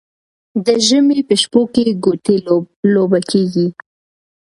د ژمي په شپو کې ګوتې لوبه کیږي.